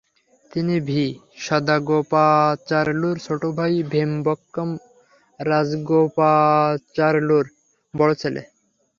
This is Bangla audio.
তিনি ভি সদাগোপাচারলুর ছোট ভাই ভেমবক্কাম রাজগোপাচারলুর বড় ছেলে।